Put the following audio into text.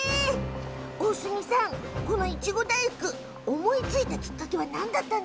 大角さん、このいちご大福思いついたきっかけは思いついたの？